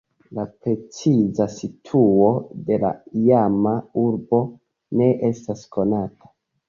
La preciza situo de la iama urbo ne estas konata.